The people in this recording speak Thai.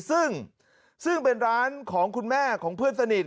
ซึ่งซึ่งเป็นร้านของคุณแม่ของเพื่อนสนิท